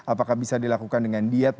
apakah bisa dilakukan dengan diet